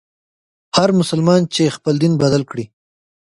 هر مسلمان چي خپل دین بدل کړي.